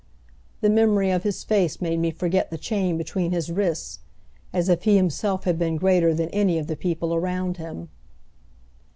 The memory of his face made me forget the chain between his wrists; as if he himself had been greater than any of the people around him.